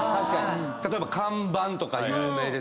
例えば看板とか有名ですけど。